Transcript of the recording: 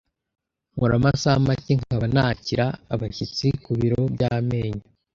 Nkora amasaha make nkaba nakira abashyitsi ku biro by’amenyo.